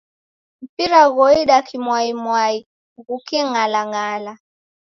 Mpira ghoida kimwaimwai ghuking'alang'ala.